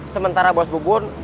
sementara bos bubun